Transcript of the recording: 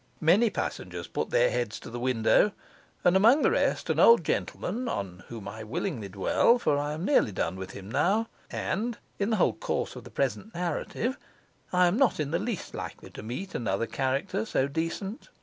Many passengers put their heads to the window, and among the rest an old gentleman on whom I willingly dwell, for I am nearly done with him now, and (in the whole course of the present narrative) I am not in the least likely to meet another character so decent.